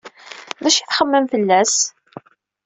D acu ay txemmem fell-as?